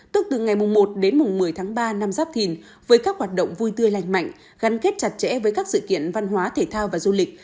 tức từ ngày một đến mùng một mươi tháng ba năm giáp thìn với các hoạt động vui tươi lành mạnh gắn kết chặt chẽ với các sự kiện văn hóa thể thao và du lịch